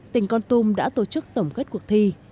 tỉnh con tum đã tổ chức tổng kết cuộc thi